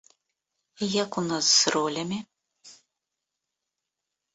Як у нас з ролямі?